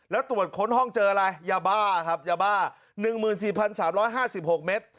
แล้วตรวจค้นห้องเจออะไรยาบ้าครับยาบ้า๑๔๓๕๖เมตร